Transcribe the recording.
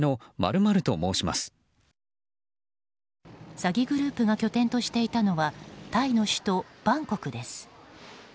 詐欺グループが拠点としていたのはタイの首都バンコクです。